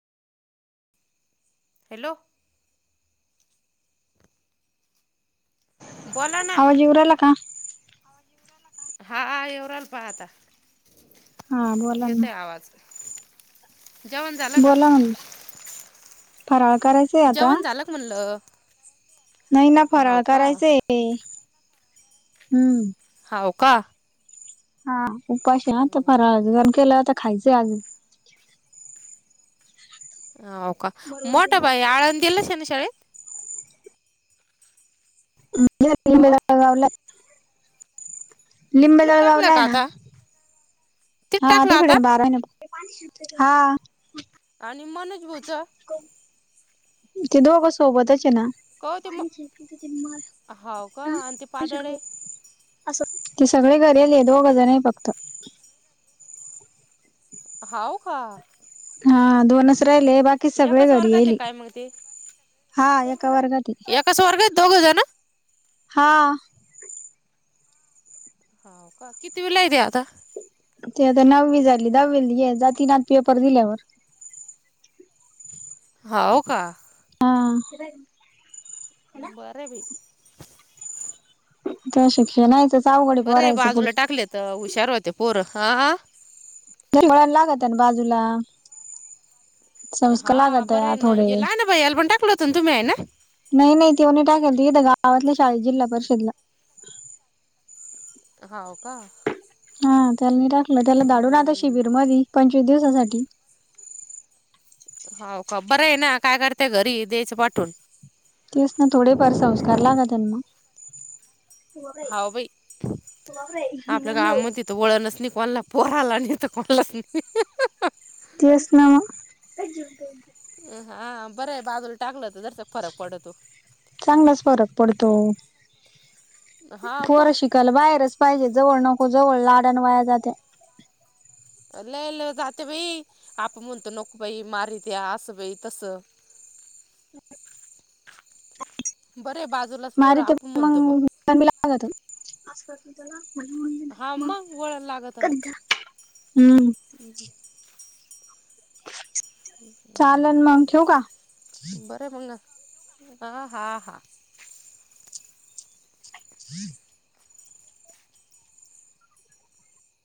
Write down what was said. Hello बोला ना आवाज येऊ राहिला का? हा, येव राल पाहा आता, हा बोला ना. येतय आवाज जेवण झालं का बोला म्हणलं, फराळ करायचंय आता. जेवण झालं का म्हणलं? नाही ना, हाव फराळ का करायचं, हम्म हाव का हा उपाश अता फराळाचं केलंता खायचंय आजुन हाव का, मोठा बाई आळंदेला शनशाळे को [unintelligible] तिथं टाकलं लिंबजळगावलाय का ना आता तिथं हा टाकलं तिकडे आता बारा आहे ना हां आणि मनोज भाऊच ते दोघ सोबतच हे ना को ते म हाव का आणि ते पाडळ हेय असं, ते सगळे घरीे [unintelligible] दोघ जण हेय फक्त हाऊ का हा दोनच राहिले, बाकी सगळे एकाच घरी वर्गात आहे येली, काय मग ते हा एका वर्गात ते का वर्गात दोघं जन हां हाव का, कितीवीला हाय ते आता? ते आता नववी झाली, दहावी ये जाती नात पेपर दिल्यावर. होवो का. हां बरेबी त्या शिक्षणायचं आवगडी बरं आहे पोरायचं बाजूला पुढचं टाकले तर, हुशार होते पोरं हां [unintelligible] लागतन बाजूला संस्कार हा, लागत बरं हाय ना, थोडे येला भैयाला पण टाकल होतं तुमही हे ना. नाही, नाही तेवनी टाकाय इथं गावातल्या शाळेत जिल्हा परिषदला हावं का हा, त्याला मी टाकलं त्याला धाडून आता हम्म शिबीर मधी पंचवीस दिवसासाठी हाव का, बरय ना, काय करते घरी द्यायचं पाठवून तेच ना, थोडेफार संस्कार लागातेन म हाव बाई, आपल्या गावामध्ये त, वळणच नाही कोणाला पोराला आणि तर कोणालाच नाही. तेच ना म ह हां बरंय बाजूला टाकलं तर जसं चांगलाच फरक पडतो. हा पोरं मग शिकायला बाहेरच पाहिजे, जवळ नको, जवळ लाड्यान वाया जाते. ल ल जाते बाई, आप म्हणतो नको बाई मारीत असं बाई तसं- बरंय बाजूलाच पोर आपण म्हणतो पण आमब लागत हा मग वळण [unintelligible] [unintelligible] हम्म हम् ह चालन मग, ठेवू का? बरंय मंग, हा हा हा- [inaudible]